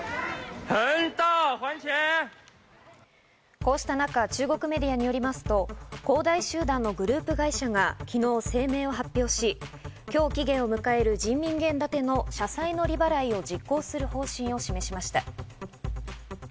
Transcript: こうしたなか、中国メディアによりますと、恒大集団のグループ会社が昨日、声明を発表し、今日期限を迎える人民元建ての社債の利払いを実行する方針を示しました。